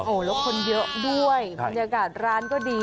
โอ้โหแล้วคนเยอะด้วยบรรยากาศร้านก็ดี